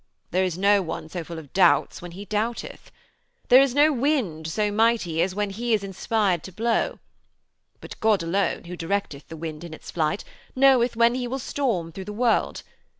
There is no one so full of doubts when he doubteth. There is no wind so mighty as he when he is inspired to blow; but God alone, who directeth the wind in its flight, knoweth when he will storm through the world.